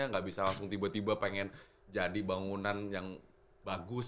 nggak bisa langsung tiba tiba pengen jadi bangunan yang bagus